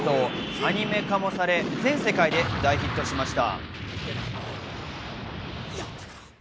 アニメ化もされ全世界で大ヒットしました。